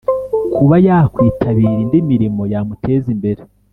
kuba yakwitabira indi mirimo yamuteza imbere.